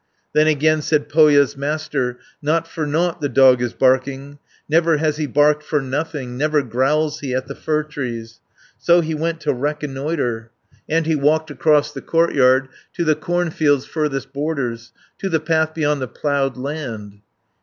530 Then again said Pohja's Master, "Not for nought the dog is barking, Never has he barked for nothing, Never growls he at the fir trees." So he went to reconnoitre, And he walked across the courtyard, To the cornfield's furthest borders, To the path beyond the ploughed land.